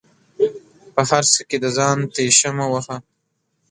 په هر څه کې د ځان تيشه مه وهه